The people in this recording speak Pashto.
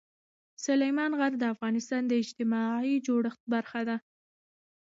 سلیمان غر د افغانستان د اجتماعي جوړښت برخه ده.